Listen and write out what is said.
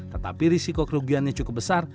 tetapi risiko kerugiannya cukup besar